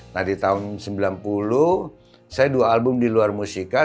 nah di tahun sembilan puluh saya dua album di luar musika